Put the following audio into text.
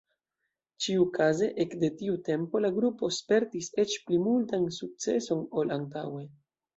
Ĉiukaze ekde tiu tempo la grupo spertis eĉ pli multan sukceson ol antaŭe.